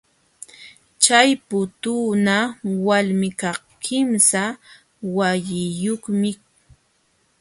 Chay putuuna walmikaq kimsa wawiyuqmi.